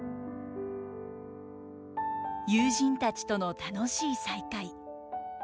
友人たちとの楽しい再会。